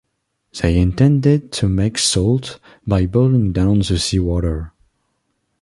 They intended to make salt by boiling down the sea water.